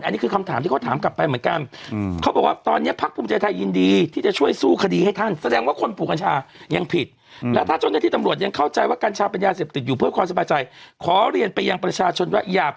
อันนี้คือคำถามที่เขาถามกลับไปเหมือนกัน